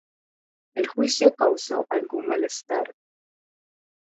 El juicio causó algún malestar.